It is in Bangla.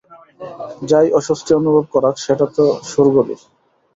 যাই অস্বস্তি অনুভব করাক সেটা তো শোরগোলই!